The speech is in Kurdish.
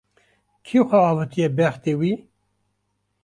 Kî xwe avitiye bextê wî